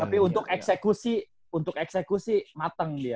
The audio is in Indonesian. tapi untuk eksekusi untuk eksekusi mateng dia